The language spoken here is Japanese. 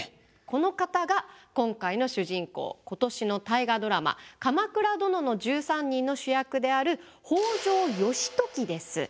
この方が今回の主人公今年の大河ドラマ「鎌倉殿の１３人」の主役である北条義時です。